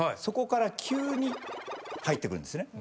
そこから急に入ってくるんです。